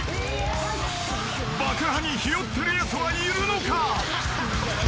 ［爆破にひよってるやつはいるのか？］